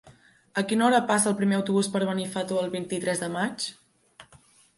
A quina hora passa el primer autobús per Benifato el vint-i-tres de maig?